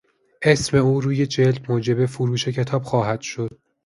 اسم او روی جلد موجب فروش کتاب خواهد شد.